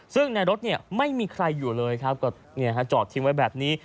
ซึ่งในรถเนี่ยไม่มีใครอยู่เลยครับก็จอดทิ้งไว้แบบนี้